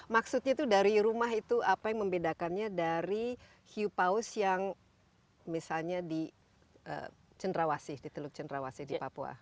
maksudnya itu dari rumah itu apa yang membedakannya dari hiu paus yang misalnya di cendrawasih di teluk cendrawasih di papua